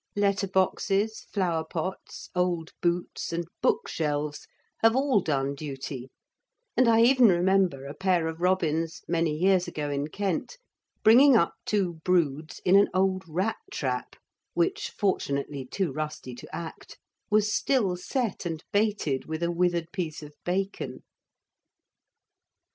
Letterboxes, flowerpots, old boots, and bookshelves have all done duty, and I even remember a pair of robins, many years ago in Kent, bringing up two broods in an old rat trap which, fortunately too rusty to act, was still set and baited with a withered piece of bacon.